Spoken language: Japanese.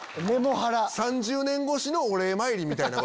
３０年越しのお礼参りみたいな。